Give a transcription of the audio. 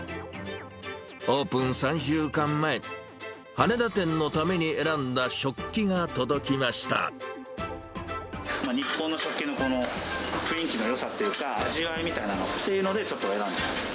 オープン３週間前、羽田店のため日本の食器の雰囲気のよさっていうか、味わいみたいなのっていうので、ちょっと選んでる。